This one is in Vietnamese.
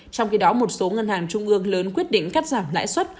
trong khi đó một số ngân hàng trung ương lớn quyết định cắt giảm lãi suất